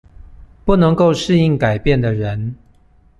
不能夠適應改變的人